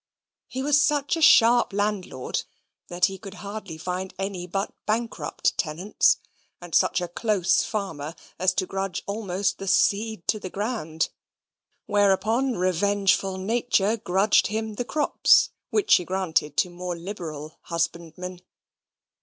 He was such a sharp landlord, that he could hardly find any but bankrupt tenants; and such a close farmer, as to grudge almost the seed to the ground, whereupon revengeful Nature grudged him the crops which she granted to more liberal husbandmen.